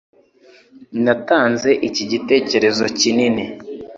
Natanze iki gitekerezo kinini.